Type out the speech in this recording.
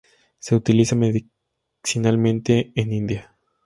Se utiliza medicinalmente en India.